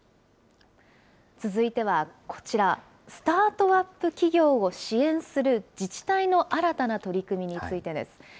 続いてはこちら、スタートアップ企業を支援する、自治体の新たな取り組みについてです。